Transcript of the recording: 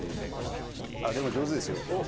でも上手ですよ。